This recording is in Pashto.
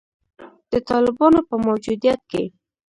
د طالبانو په موجودیت کې